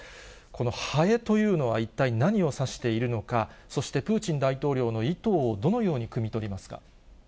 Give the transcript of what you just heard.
このハエというのは、一体何を指しているのか、そして、プーチン大統領の意図をどのようにくみ取りますか。